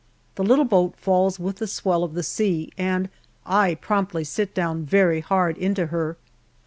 The little boat falls with the swell of the sea, and I promptly sit down very hard into her.